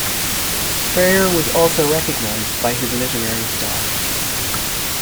Freyre was also recognised by his literary style.